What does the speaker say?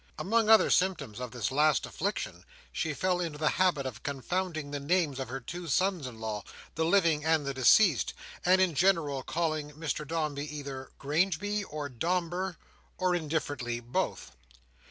Among other symptoms of this last affliction, she fell into the habit of confounding the names of her two sons in law, the living and the deceased; and in general called Mr Dombey, either "Grangeby," or "Domber," or indifferently, both.